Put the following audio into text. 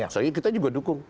soalnya kita juga dukung